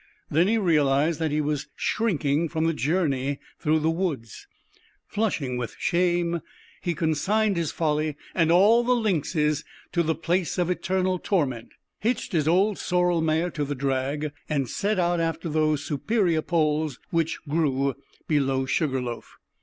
Then he realized that he was shrinking from the journey through the woods. Flushing with shame, he consigned his folly and all lynxes to the place of eternal torment, hitched his old sorrel mare to the drag, and set out after those superior poles which grew below Sugar Loaf.